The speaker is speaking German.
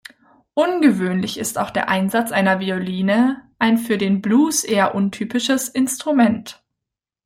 Ungewöhnlich ist auch der Einsatz einer Violine, ein für den Blues eher untypisches Instrument.